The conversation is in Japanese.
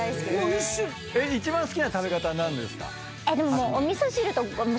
一番好きな食べ方は何ですか？